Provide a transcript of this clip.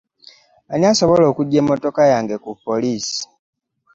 Ani asobola okugya emmotoka yange ku poliisi?